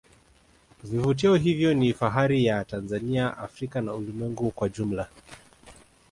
vivutio hivyo ni fahari ya tanzania africa na ulimwengu kwa ujumla